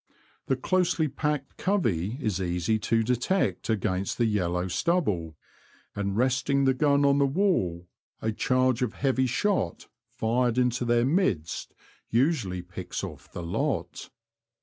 The closely packed covey is easy to detect against the yellow stubble, and resting the gun on the wall, a charge of heavy shot fired into their midst usually picks off the lot.